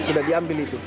sudah diambil itu